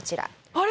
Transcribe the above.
あれ？